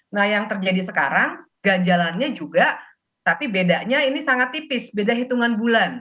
nah yang terjadi sekarang ganjalannya juga tapi bedanya ini sangat tipis beda hitungan bulan